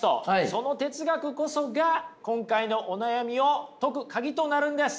その哲学こそが今回のお悩みを解く鍵となるんです。